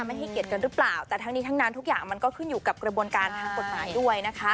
ให้เกียรติกันหรือเปล่าแต่ทั้งนี้ทั้งนั้นทุกอย่างมันก็ขึ้นอยู่กับกระบวนการทางกฎหมายด้วยนะคะ